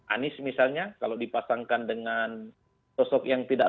anies misalnya kalau dipasangkan dengan sosok yang tidak